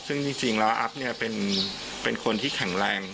ซึ่งจริงแล้วอัพเป็นคนที่แข็งแรง